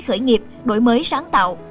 khởi nghiệp đổi mới sáng tạo